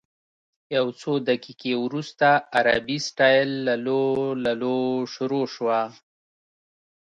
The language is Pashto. یو څو دقیقې وروسته عربي سټایل لللووللوو شروع شوه.